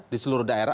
di seluruh daerah